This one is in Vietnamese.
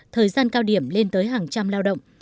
thời gian cao điểm lên tới hàng trăm lao động